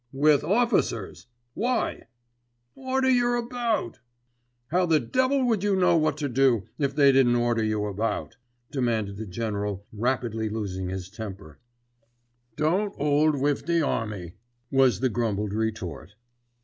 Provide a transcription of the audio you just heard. "With officers! Why?" "Order yer about." "How the devil would you know what to do if they didn't order you about?" demanded the General rapidly losing his temper. "Don't 'old wiv the army," was the grumbled retort.